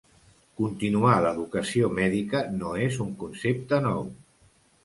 Continuar l'educació mèdica no és un concepte nou.